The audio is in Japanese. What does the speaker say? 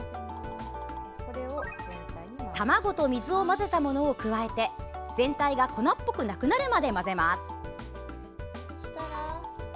卵と水を混ぜたものを加えて全体が粉っぽくなくなるまで混ぜます。